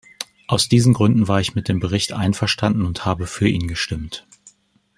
Aus diesen Gründen war ich mit dem Bericht einverstanden und habe für ihn gestimmt.